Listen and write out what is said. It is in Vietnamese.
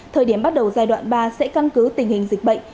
thời điểm bắt đầu giai đoạn ba sẽ căn cứ tình hình dịch bệnh